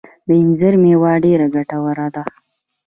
د انځر مېوه ډیره ګټوره ده